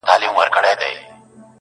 چي ونه کړي یو له بل سره جنګونه!.